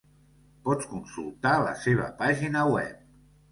Pots consultar la seva pàgina web.